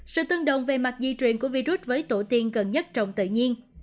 sự tương đồng về mặt di truyền của virus với tổ tiên gần nhất trong tự nhiên